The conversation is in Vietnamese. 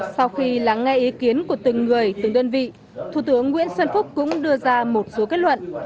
sau khi lắng nghe ý kiến của từng người từng đơn vị thủ tướng nguyễn xuân phúc cũng đưa ra một số kết luận